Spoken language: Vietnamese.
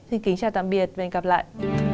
xin kính chào tạm biệt và hẹn gặp lại